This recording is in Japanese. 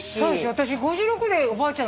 私５６でおばあちゃん